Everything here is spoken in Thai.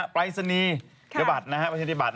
ปราศนียรรทบาทนะครับ